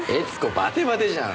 バテバテじゃん。